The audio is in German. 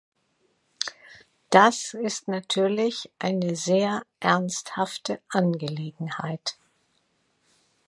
Das ist natürlich eine sehr ernsthafte Angelegenheit.